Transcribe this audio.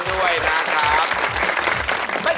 โชว์ที่สุดท้าย